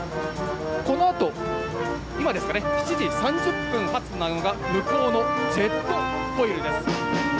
このあと、今ですかね、７時３０分発なのが、向こうのジェットフォイルです。